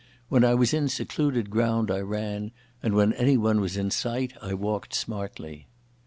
When I was in secluded ground I ran, and when anyone was in sight I walked smartly.